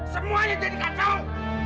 semuanya jadi kacau